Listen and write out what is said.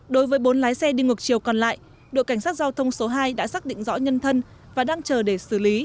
đối với bốn lái xe đi ngược chiều còn lại đội cảnh sát giao thông số hai đã xác định rõ nhân thân và đang chờ để xử lý